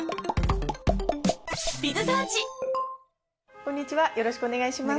こんにちはよろしくお願いします。